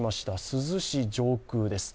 珠洲市上空です。